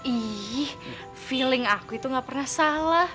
ih feeling aku itu gak pernah salah